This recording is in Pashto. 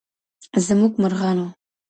زموږ مرغانو